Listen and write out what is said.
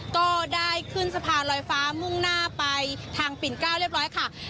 ก็ได้ขึ้นสะพานลอยฟ้ามุ่งหน้าไปทางปิ่น๙เรียบร้อยค่ะ